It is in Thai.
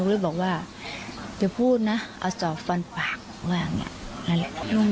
หนูก็เลยบอกว่าเดี๋ยวพูดนะเอาศพฟันปากว่าอย่างนี้